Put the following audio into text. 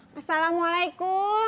tentu saja mak